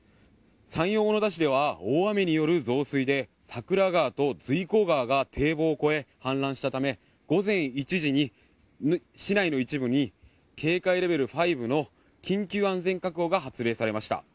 山陽小野田市では大雨による増水で桜川と随光川が堤防を越え、氾濫したため午前１時に市内の一部に警戒レベル５の緊急安全確保が発令されました。